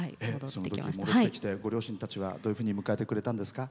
そのとき戻ってきて、ご両親たちはどういうふうに迎えてくれたんですか？